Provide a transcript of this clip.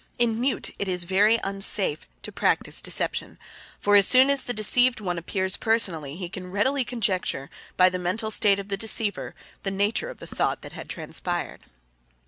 In Mute it is very unsafe to practice deception, for as soon as the deceived one appears personally he can readily conjecture, by the mental state of the deceiver, the nature of the thought that had transpired.